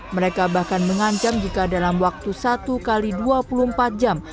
mereka bahkan mengancam jika dalam waktu satu x dua puluh empat jam